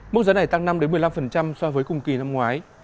mức giá này tăng năm một mươi năm so với cùng kỳ năm ngoái